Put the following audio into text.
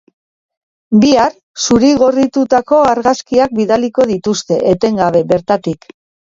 Bihar, zuri gorritutako argazkiak bidaliko dituzte, etengabe, bertatik.